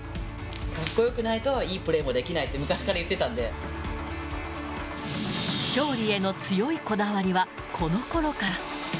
かっこよくないと、いいプレーもできないって、昔から言ってたん勝利への強いこだわりは、このころから。